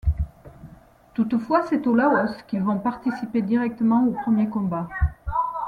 Toutefois c'est au Laos qu'ils vont participer directement aux premiers combats.